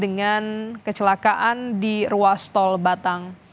dengan kecelakaan di ruas tol batang